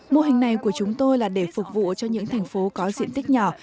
mô hình này của chúng tôi là để phục vụ cho những thành phố có diện tích nhỏ